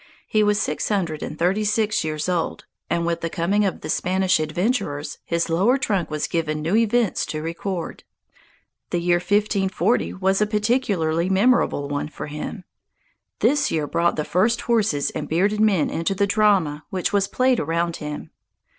He was six hundred and thirty six years old, and with the coming of the Spanish adventurers his lower trunk was given new events to record. The year 1540 was a particularly memorable one for him. This year brought the first horses and bearded men into the drama which was played around him.